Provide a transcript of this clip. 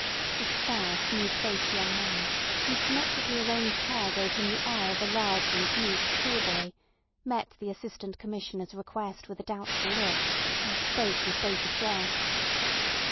This fair, smooth faced young man, whose symmetrically arranged hair gave him the air of a large and neat schoolboy, met the Assistant Commissioner's request with a doubtful look, and spoke with bated breath.